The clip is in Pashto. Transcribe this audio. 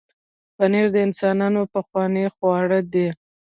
پنېر د انسانانو پخوانی خواړه دی.